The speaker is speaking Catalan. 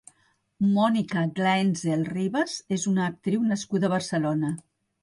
Mònica Glaenzel Ribas és una actriu nascuda a Barcelona.